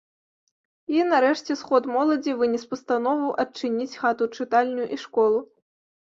І нарэшце сход моладзі вынес пастанову адчыніць хату-чытальню і школу.